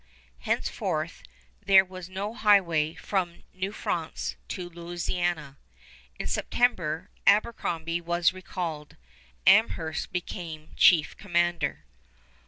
Henceforth there was no highway from New France to Louisiana. In September, Abercrombie was recalled. Amherst became chief commander.